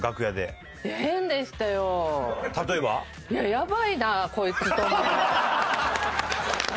「やばいなこいつ」と。